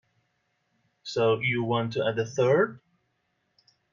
So you want to add a third?